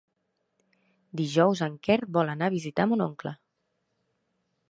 Dijous en Quer vol anar a visitar mon oncle.